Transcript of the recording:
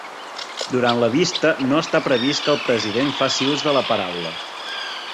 Durant la vista, no està previst que el president faci ús de la paraula.